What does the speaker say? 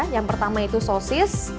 yang pertama itu sosis